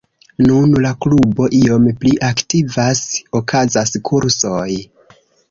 Nun la klubo iom pli aktivas, okazas kursoj.